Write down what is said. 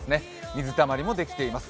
水たまりもできています。